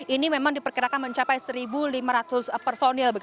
ini memang diperkirakan mencapai seribu lima ratus personel